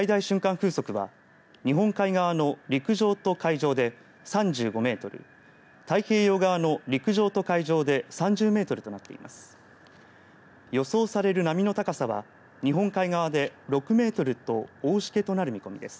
風速は日本海側の陸上と海上で３５メートル太平洋側の陸上と海上で３０メートルとなっています。